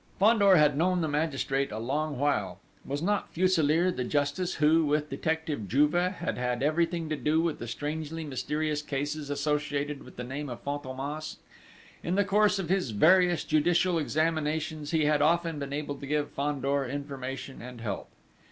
Fandor had known the magistrate a long while. Was not Fuselier the justice who, with Detective Juve, had had everything to do with the strangely mysterious cases associated with the name of Fantômas? In the course of his various judicial examinations he had often been able to give Fandor information and help.